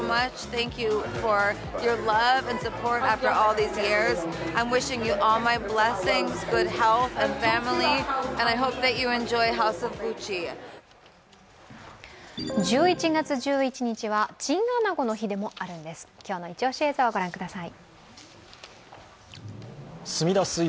今日の一押し映像を御覧ください。